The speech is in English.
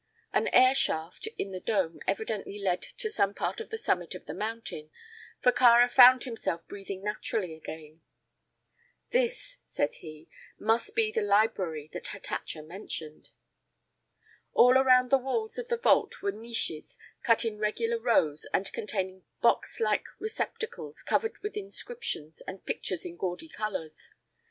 An air shaft in the dome evidently led to some part of the summit of the mountain, for Kāra found himself breathing naturally again. "This," said he, "must be the library that Hatatcha mentioned." All around the walls of the vault were niches, cut in regular rows and containing box like receptacles covered with inscriptions and pictures in gaudy colors.